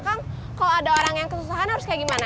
kang kalau ada orang yang kesusahan harus kayak gimana